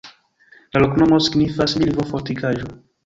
La loknomo signifas: milvo-fortikaĵo.